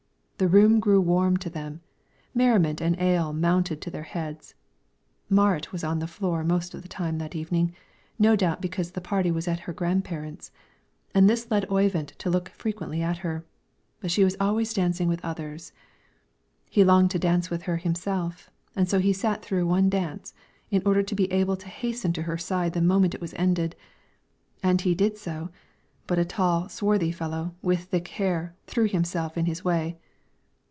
The room grew warm to them; merriment and ale mounted to their heads. Marit was on the floor most of the time that evening, no doubt because the party was at her grandparents'; and this led Oyvind to look frequently at her; but she was always dancing with others. He longed to dance with her himself, and so he sat through one dance, in order to be able to hasten to her side the moment it was ended; and he did so, but a tall, swarthy fellow, with thick hair, threw himself in his way.